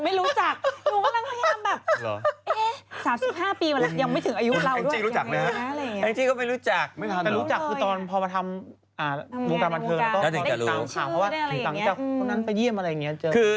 เพราะว่าหลังจากคุณกับนั้นไปเยี่ยมอะไรอย่างนี้